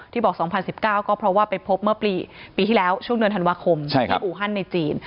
บอก๒๐๑๙ก็เพราะว่าไปพบเมื่อปีที่แล้วช่วงเดือนธันวาคมที่อูฮันในจีน